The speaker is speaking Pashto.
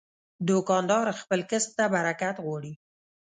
دوکاندار خپل کسب ته برکت غواړي.